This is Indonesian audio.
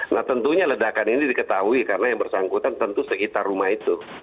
nah tentunya ledakan ini diketahui karena yang bersangkutan tentu sekitar rumah itu